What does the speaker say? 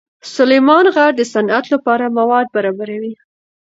سلیمان غر د صنعت لپاره مواد برابروي.